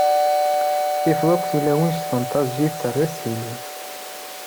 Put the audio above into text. Tifeḍ akk tilawin, s tfentaẓit terriḍ-d tili.